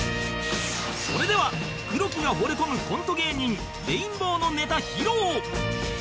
それでは黒木が惚れ込むコント芸人レインボーのネタ披露！